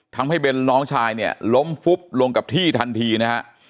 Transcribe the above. เบนน้องชายเนี่ยล้มฟุบลงกับที่ทันทีนะฮะ